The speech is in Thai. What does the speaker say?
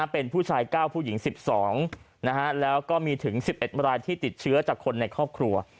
เป็นผู้ชาย๙ผู้หญิง๑๒แล้วก็มีถึง๑๑รายที่ติดเชื้อจากคนในครอบครัว